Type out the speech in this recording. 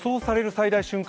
最大瞬間